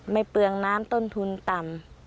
เปลืองน้ำต้นทุนต่ำ